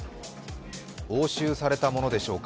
押収されたものでしょうか。